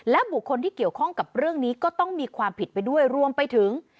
บุคคลที่เกี่ยวข้องกับเรื่องนี้ก็ต้องมีความผิดไปด้วยรวมไปถึง